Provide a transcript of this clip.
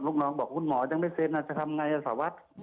ลุงน้องบอกคุณหมอยังไม่เซ็นอะจะทำยังไงอะสาวัส